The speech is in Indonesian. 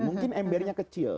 mungkin embernya kecil